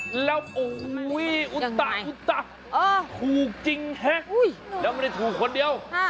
แล้วโอ้โหอุตะอุตะถูกจริงฮะแล้วไม่ได้ถูกคนเดียว